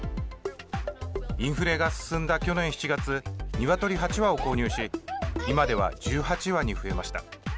インフレが進んだ去年７月鶏８羽を購入し今では１８羽に増えました。